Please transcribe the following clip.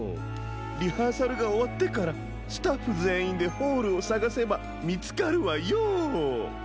リハーサルがおわってからスタッフぜんいんでホールをさがせばみつかるわよ。